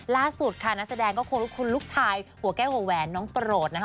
ล่าสุดค่ะนักแสดงก็คงลุกคุณลูกชายหัวแก้วหัวแหวนน้องโปรดนะคะ